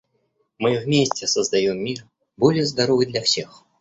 Мы вместе создаем мир, более здоровый для всех.